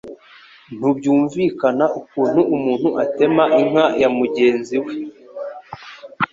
ntubyumvikana ukuntu umuntu atema inka ya mugenzi we